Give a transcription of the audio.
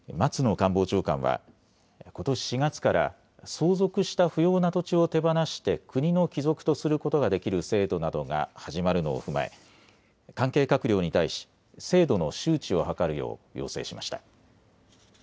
官房長官は、ことし４月から相続した不要な土地を手放して国の帰属とすることができる制度などが始まるのを踏まえ関係閣僚に対し制度の周知を図るよう要請しました。